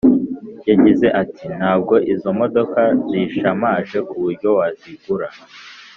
yagize ati: ntabwo izo modoka zishamaje kuburyo wazigura